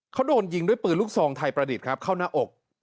เขาโดนยิงด้วยปืนลูกซองไทยประดิษฐ์ครับเข้าหน้าอก